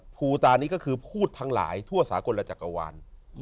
ภูตานี้ก็คือพูดทั้งหลายทั่วสากลจักรวาล